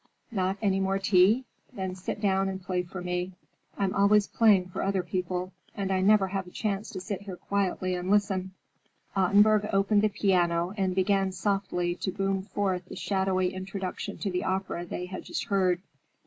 Not any more tea? Then sit down and play for me. I'm always playing for other people, and I never have a chance to sit here quietly and listen." Ottenburg opened the piano and began softly to boom forth the shadowy introduction to the opera they had just heard.